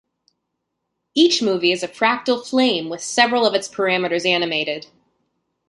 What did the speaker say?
Each movie is a fractal flame with several of its parameters animated.